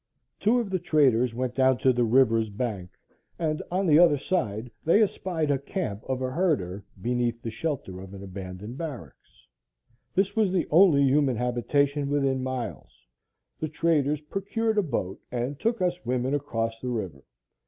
Two of the traders went down to the river's bank and on the other side they espied a camp of a herder, beneath the shelter of an abandoned barracks. This was the only human habitation within miles. The traders procured a boat and took us women across the river.